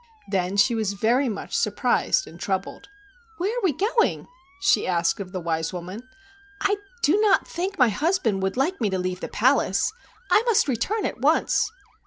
Then she was very much surprised and troubled. "Where are we going ?" she asked of the wise woman. "I do not think my husband would like me to leave the palace. I must return at once."